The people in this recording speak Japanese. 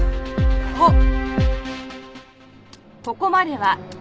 あっ！